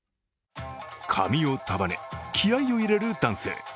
髪を束ね、気合いを入れる男性。